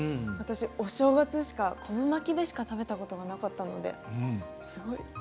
私お正月しか昆布巻きでしか食べたことがなかったのですごい。